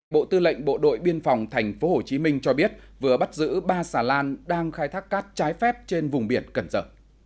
bộ tư lệnh bộ đội biên phòng tp hcm cho biết vừa bắt giữ ba xà lan đang khai thác cát trái phép trên vùng biển cần sở